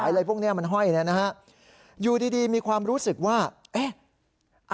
อะไรพวกเนี้ยมันห้อยเนี่ยนะฮะอยู่ดีดีมีความรู้สึกว่าเอ๊ะ